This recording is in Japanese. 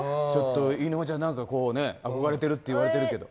飯沼ちゃん、憧れてるって言われてるけど。